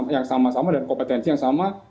yang sama sama dan kompetensi yang sama